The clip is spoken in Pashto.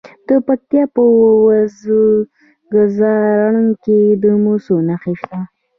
د پکتیا په وزه ځدراڼ کې د مسو نښې شته.